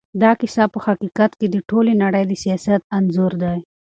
دا کيسه په حقیقت کې د ټولې نړۍ د سياست انځور دی.